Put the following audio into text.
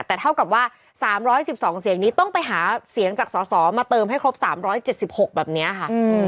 แต่เท่ากับว่า๓๑๒เสียงนี้ต้องไปหาเสียงจากสสมาเติมให้ครบ๓๗๖แบบนี้ค่ะ